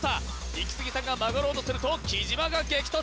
イキスギさんが曲がろうとすると貴島が激突！